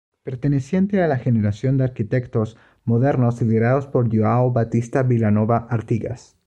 Perteneciente a la generación de arquitectos modernos liderada por João Batista Vilanova Artigas.